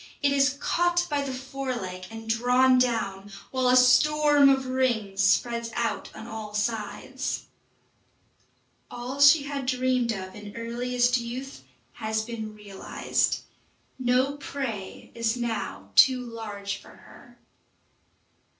It is caught by the fore leg and drawn down, while a storm of rings spreads out on all sides. All she had dreamed of in earliest youth has been realized; no prey is now too large for her.